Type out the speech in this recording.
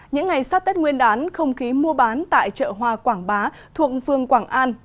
những ngày sát tết nguyên đán không khí mua bán tại chợ hoa quảng bá thuộc phương quảng an